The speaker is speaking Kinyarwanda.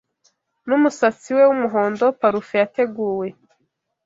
Numusatsi we wumuhondo parufe yateguwe